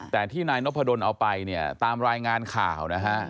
แต่ที่นายนพดลเอาไปเนี่ยตามรายงานข่าวนะฮะ